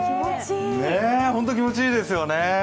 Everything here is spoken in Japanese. ホント気持ちいいですよね。